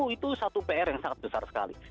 itu satu pr yang sangat besar sekali